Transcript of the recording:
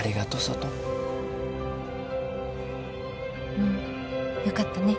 うんよかったね。